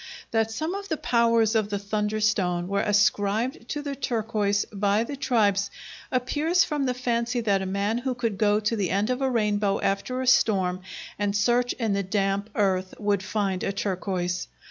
That some of the powers of the thunder stone were ascribed to the turquoise by the tribes appears from the fancy that a man who could go to the end of a rainbow after a storm and search in the damp earth would find a turquoise.